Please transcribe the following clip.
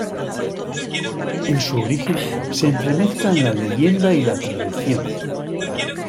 En su origen se entremezclan la leyenda y la tradición.